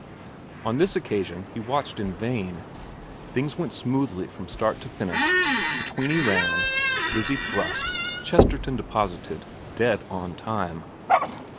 On this occasion he watched in vain. Things went smoothly from start to finish. The tweeny ran, Lizzie thrust, Chesterton 278 VERA xxr deposited, dead on time.